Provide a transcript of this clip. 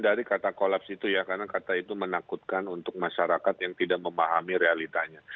ya saya kira kita hindari kata kolaps itu ya karena kata itu menakutkan untuk masyarakat yang tidak memahami realitanya